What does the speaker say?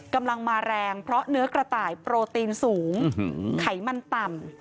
กำลังมาแรงเพราะเนื้อกระต่ายโปรตีนสูงไขมันต่ำ